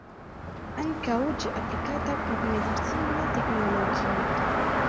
Ankaŭ ĝi aplikata por medicina teknologio.